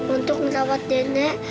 untuk merawat nenek